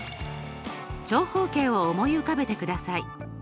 長方形を思い浮かべてください。